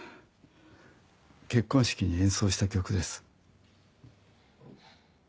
結婚式に演奏した曲です。